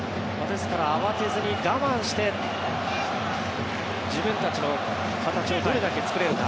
ですから慌てずに我慢して自分たちの形をどれだけ作れるか。